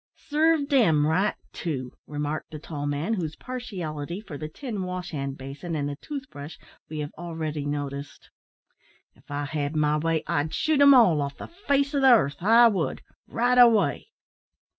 "Sarved 'em right too," remarked the tall man, whose partiality for the tin wash hand basin and the tooth brush we have already noticed. "If I had my way, I'd shoot 'em all off the face o' the 'arth, I would, right away."